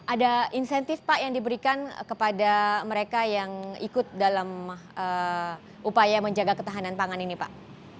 ada insentif pak yang diberikan kepada mereka yang ikut dalam upaya menjaga ketahanan pangan ini pak